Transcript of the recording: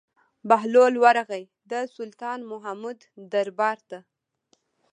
بهلول ورغى د سلطان محمود دربار ته.